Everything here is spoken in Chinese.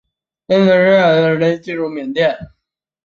印度支那的战争让法国人进入了缅甸。